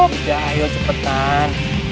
udah ayo cepetan